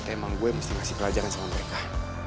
emang gue mesti ngasih pelajaran sama mereka